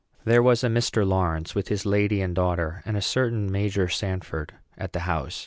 There was a Mr. Lawrence, with his lady and daughter, and a certain Major Sanford, at the house.